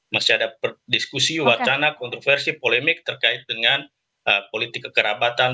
masih ada diskusi wacana kontroversi polemik terkait dengan politik kekerabatan